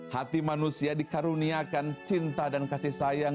hati manusia dikaruniakan cinta dan kasih sayang